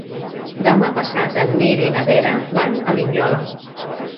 Demà passat en Nil i na Vera van a Linyola.